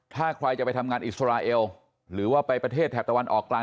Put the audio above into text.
ถ้าใครจะไปทำงานอิสราเอลหรือว่าไปประเทศแถบตะวันออกกลาง